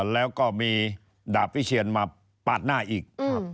แล้วก็มีดาบวิเชียนมาปาดหน้าอีก